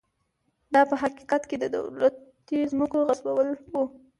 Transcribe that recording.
دا په حقیقت کې د دولتي ځمکو غصبول و.